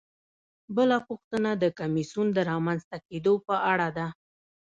بله پوښتنه د کمیسیون د رامنځته کیدو په اړه ده.